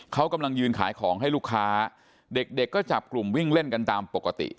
เขากำลังยืนขายของให้ลูกค้าเด็กก็จับกลุ่มวิ่งเล่นกันตามปกติ